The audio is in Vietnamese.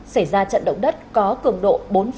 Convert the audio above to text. xảy ra trận động đất có cường độ bốn